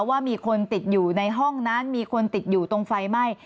ว่ามีคนติดอยู่ในห้องนั้นมีคนติดอยู่ตรงไฟไหม้